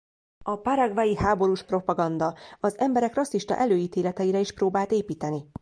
A paraguayi háborús propaganda az emberek rasszista előítéleteire is próbált építeni.